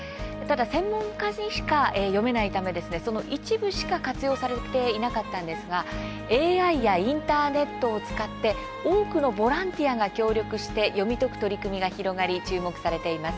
専門家にしか読めないためその一部しか活用されていなかったのですがＡＩやインターネットを使って多くのボランティアが協力して読み解く取り組みが広がり注目されています。